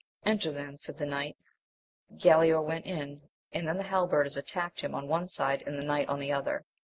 Enter then, said the knight. Galaor went in, and then the halberders attacked him on one side and the knight on the other.